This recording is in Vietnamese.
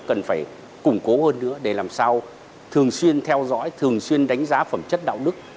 cần phải củng cố hơn nữa để làm sao thường xuyên theo dõi thường xuyên đánh giá phẩm chất đạo đức